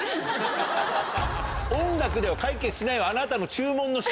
音楽では解決しないあなたの。